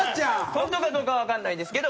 ホントかどうかはわかんないんですけど。